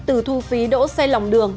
từ thu phí đỗ xe lòng đường